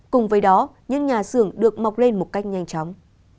cùng với đó những nhà xưởng được mọc lên một cách nhanh chóng